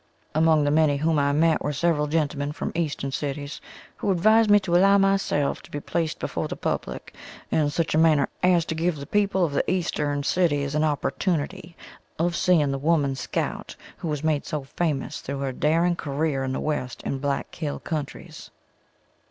Among the many whom I met were several gentlemen from eastern cities who advised me to allow myself to be placed before the public in such a manner as to give the people of the eastern cities an opportunity of seeing the Woman Scout who was made so famous through her daring career in the West and Black Hill countries.